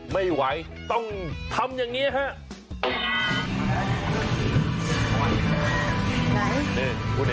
ไม่ไหวต้องทำอย่างนี้ครับ